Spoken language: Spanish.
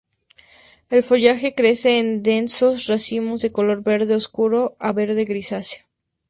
El follaje crece en densos racimos, de color verde oscuro a verde grisáceo.